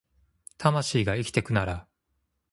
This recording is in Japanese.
魂が生きてくなら